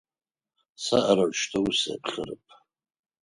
Сэ арэущтэу сеплъырэп.